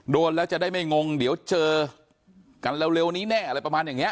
โดนแล้วจะได้ไม่งงเดี๋ยวเจอกันเร็วนี้แน่อะไรประมาณอย่างนี้